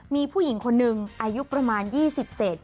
มีผู้หญิงคนหนึ่งอายุประมาณ๒๐เศษ